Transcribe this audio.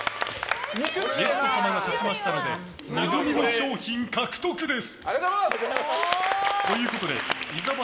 ゲスト様が勝ちましたので望みの賞品獲得です！